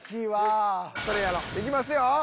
行きますよ！